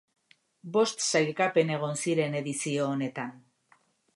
Bost sailkapen egon ziren edizio honetan.